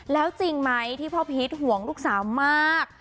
แล้วจริงไหมที่พ่อพีชห่วงลูกสาวมาก